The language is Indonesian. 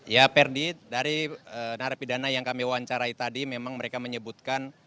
ya perdi dari narapidana yang kami wawancarai tadi memang mereka menyebutkan